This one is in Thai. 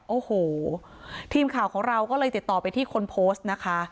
โอ้โหทีมข่าวของเราก็เลยติดต่อไปที่คนโพสต์นะคะ